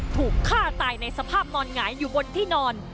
ถูกฆ่าตายในสภาพนอนหงายอยู่บนที่นอน